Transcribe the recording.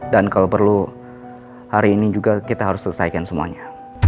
dan kalau perlu hari ini juga kita harus selesaikan semuanya